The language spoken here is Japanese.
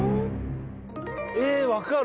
えわかる？